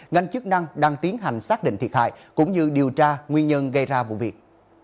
ngành chức năng đang tiến hành xác định thiệt hại cũng như điều tra nguyên nhân gây ra vụ việc